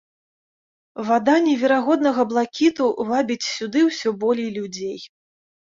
Вада неверагоднага блакіту вабіць сюды ўсё болей людзей.